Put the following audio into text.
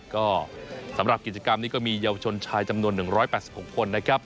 ก็สำหรับกิจกรรมนี้ก็มีเยาวชนชายจำนวน๑๘๖คนนะครับ